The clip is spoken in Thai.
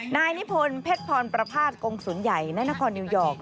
นายนิพนธ์เพชรพรประพาทกงศูนย์ใหญ่ณนครนิวยอร์ก